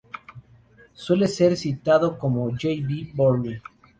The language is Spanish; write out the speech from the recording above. Suele ser citado como J. B. Bury.